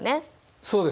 そうですね。